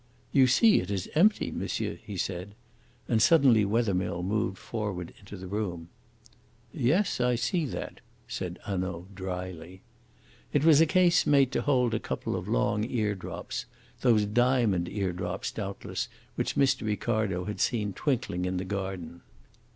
"You see it is empty, monsieur," he said, and suddenly Wethermill moved forward into the room. "Yes, I see that," said Hanaud dryly. It was a case made to hold a couple of long ear drops those diamond ear drops, doubtless, which Mr. Ricardo had seen twinkling in the garden.